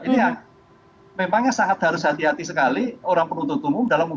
ini yang memangnya sangat harus hati hati sekali orang penuntut umum dalam hal ini